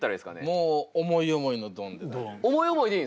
もう思い思いのドンで。